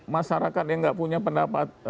masyarakat yang nggak punya pendapat